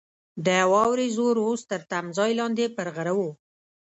د واورې زور اوس تر تمځای لاندې پر غره وو.